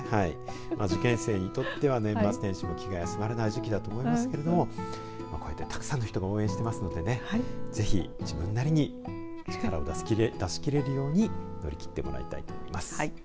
受験生にとっては年末年始も気が休まらない時期だと思いますけれどもこうやってたくさんの人が応援してますのでぜひ自分なりに力を出し切れるように乗り切ってもらいたいと思います。